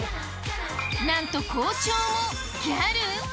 なんと校長もギャル？